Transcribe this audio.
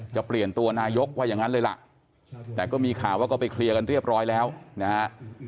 จะเปลี่ยนตัวนายกว่าอย่างนั้นเลยล่ะแต่ก็มีข่าวว่าก็ไปเคลียร์กันเรียบร้อยแล้วนะฮะ